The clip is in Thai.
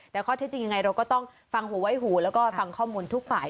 แต่ข้อเท็จจริงยังไงเราก็ต้องฟังหูไว้หูแล้วก็ฟังข้อมูลทุกฝ่าย